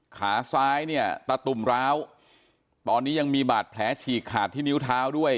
ขาซ้ายเนี่ยตะตุ่มร้าวตอนนี้ยังมีบาดแผลฉีกขาดที่นิ้วเท้าด้วย